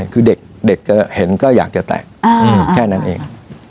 คือเด็กจะเห็นก็อยากจะแต่งแค่นั้นเอง